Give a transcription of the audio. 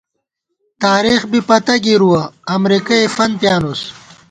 تارېخ بی پتہ گِرُوَہ، امرېکَئے فنت پِیانُوس